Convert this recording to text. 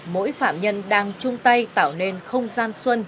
mỗi phạm nhân đang chung tay tạo nên không gian xuân